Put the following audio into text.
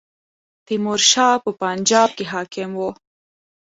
تیمور شاه په پنجاب کې حاکم وو.